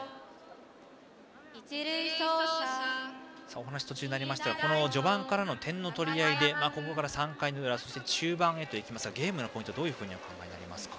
お話途中になりましたが序盤からの点の取り合いでここから３回の裏、中盤に行きますがゲームのポイントはどういうふうにお考えになりますか。